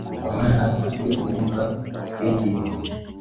umwana ufite ubumuga bw’ingingo